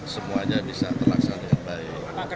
kenapa tidak diberi sekali